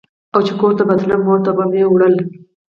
او چې کور ته به تلم مور ته به مې وړله.